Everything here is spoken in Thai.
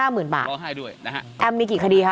แอมมีกี่คดีคะ